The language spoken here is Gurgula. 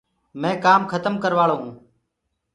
مينٚ ڪآم کتم ڪرواݪو هونٚ۔